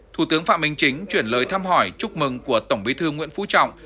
thủ tướng phạm minh chính chuyển lời thăm hỏi chúc mừng của tổng bí thư nguyễn phú trọng